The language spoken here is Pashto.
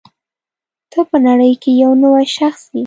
ته په نړۍ کې یو نوی شخص یې.